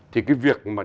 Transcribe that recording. thì cái việc mà